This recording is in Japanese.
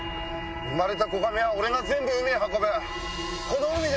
生まれた子ガメは俺が全部海へ運ぶ。